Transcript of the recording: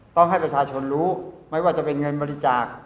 ต้องให้ประชาชนรู้ไม่ว่าจะเป็นเงินบริจาค